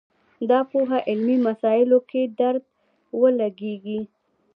دا پوهه علمي مسایلو کې درد ولګېږي